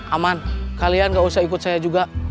aman kalian gak usah ikut saya juga